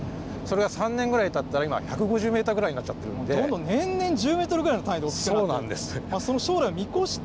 それが３年ぐらいたったら今、１５０メートルぐらいになっちゃっどんどん、年々１０メートルぐらいの単位で大きくなっていると。